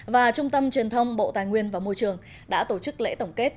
và trung tâm truyền thông bộ tài nguyên và môi trường đã tổ chức lễ tổng kết